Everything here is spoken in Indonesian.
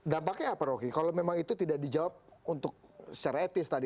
dampaknya apa rocky kalau memang itu tidak dijawab untuk secara etis tadi